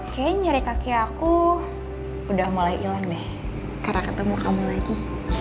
kayaknya nyari kaki aku udah mulai hilang deh karena ketemu kamu lagi